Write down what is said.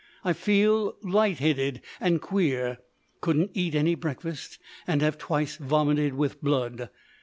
I feel light headed and queer, couldn't eat any breakfast, and have twice vomited with blood.